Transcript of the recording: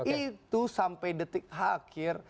itu sampai detik akhir